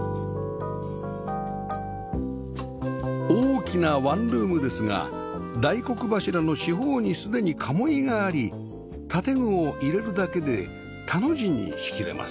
大きなワンルームですが大黒柱の四方にすでに鴨居があり建具を入れるだけで田の字に仕切れます